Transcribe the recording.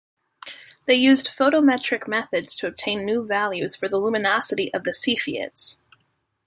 They used photometric methods to obtain new values for the luminosity of the Cepheids.